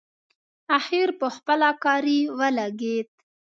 اخر پخپله کاري ولګېد.